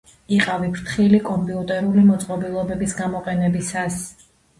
იყავი ფრთხილი კომპიუტერული მოწყობილობების გამოყენებისას.